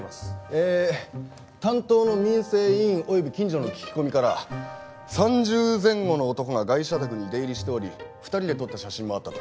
え担当の民生委員及び近所の聞き込みから３０前後の男がガイシャ宅に出入りしており２人で撮った写真もあったと。